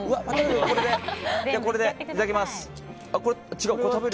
これでいただきます。